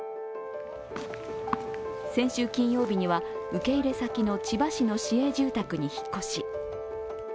先週金曜日には受け入れ先の千葉市の市営住宅に引っ越し。